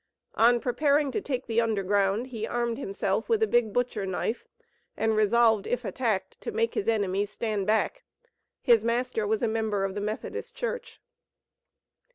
On preparing to take the Underground, he armed himself with a big butcher knife, and resolved, if attacked, to make his enemies stand back. His master was a member of the Methodist Church.